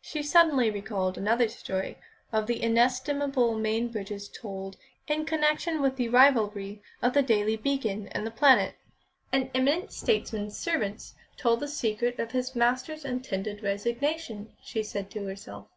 She suddenly recalled another story of the inestimable Mainbridge's, told in connection with the rivalry of The Daily Beacon and The Planet. "An eminent statesman's servant told the secret of his master's intended resignation," she said to herself.